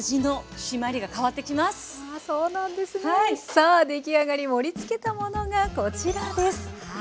さあ出来上がり盛りつけたものがこちらです。